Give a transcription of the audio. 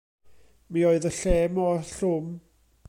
Mi oedd y lle mor llwm.